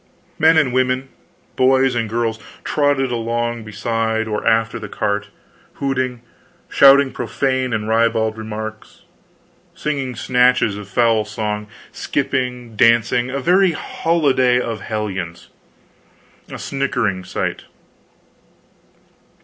Men and women, boys and girls, trotted along beside or after the cart, hooting, shouting profane and ribald remarks, singing snatches of foul song, skipping, dancing a very holiday of hellions, a sickening sight.